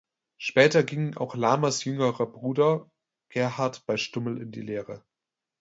Später ging auch Lamers’ jüngerer Bruder Gerhard bei Stummel in die Lehre.